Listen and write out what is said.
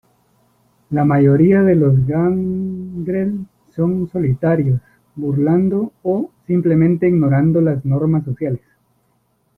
La mayoría de los gangrel son solitarios, burlando, o simplemente ignorando las normas sociales.